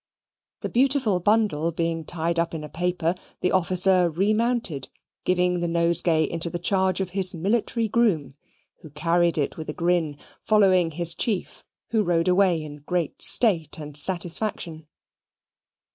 The beautiful bundle being tied up in a paper, the officer remounted, giving the nosegay into the charge of his military groom, who carried it with a grin, following his chief, who rode away in great state and self satisfaction.